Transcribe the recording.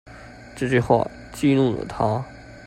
這句話激怒了他